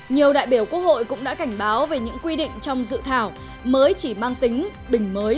nhiều đại biểu quốc hội cũng đã cảnh báo về những quy định trong dự thảo mới chỉ mang tính bình mới